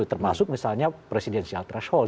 termasuk misalnya presidensial threshold